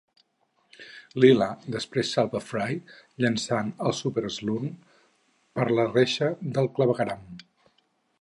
Leela després salva Fry llançant el súper-slurm per una reixa del clavegueram.